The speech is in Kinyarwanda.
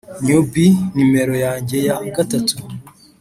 newbie numero yanjye ya gatatu,